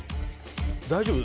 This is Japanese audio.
大丈夫？